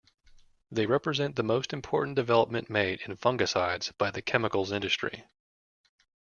They represent the most important development made in fungicides by the chemicals industry.